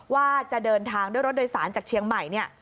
ว่าจะเดินทางด้วยรถโดยสารจากเชียงใหม่เนี่ย